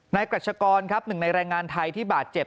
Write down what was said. กรัชกรครับหนึ่งในแรงงานไทยที่บาดเจ็บ